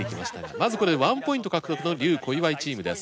まずこれで１ポイント獲得の笠・小祝チームです。